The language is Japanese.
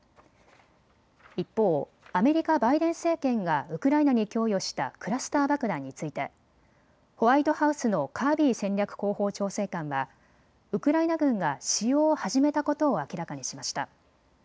一方、アメリカ・バイデン政権がウクライナに供与したクラスター爆弾についてホワイトハウスのカービー戦略広報調整官はウクライナ軍が使用を始めたことを明らかにしました。